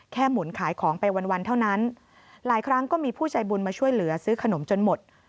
หมุนขายของไปวันเท่านั้นหลายครั้งก็มีผู้ใจบุญมาช่วยเหลือซื้อขนมจนหมด